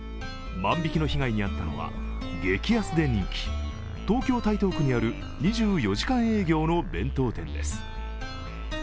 万引きの被害に遭ったのは激安で人気、東京・台東区にある２４時間営業の弁当店です。